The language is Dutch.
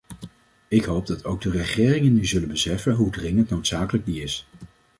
Ik hoop dat ook de regeringen nu zullen beseffen hoe dringend noodzakelijk die is.